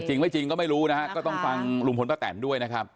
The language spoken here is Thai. จริงไม่จริงก็ไม่รู้นะฮะก็ต้องฟังลุงพลป้าแตนด้วยนะครับ